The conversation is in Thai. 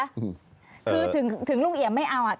คือถึงลุงเอี่ยมไม่เอาอ่ะ